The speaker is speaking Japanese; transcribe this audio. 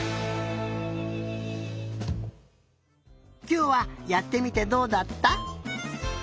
きょうはやってみてどうだった？